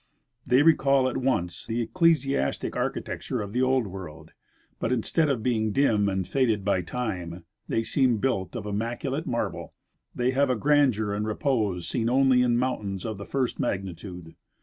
They recall at once the ecclesiastic architecture of the Old World ; but instead of being dim and faded by time they seem built of immaculate marble. They have a grandeur and repose seen only in mountains of the first magnitude..